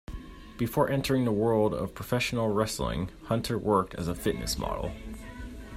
Before entering the world of professional wrestling, Hunter worked as a fitness model.